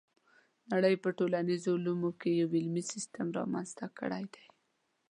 نړۍ په ټولنیزو علومو کې یو علمي سیستم رامنځته کړی دی.